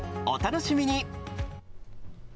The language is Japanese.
お楽しみに。